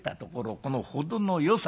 この程のよさ。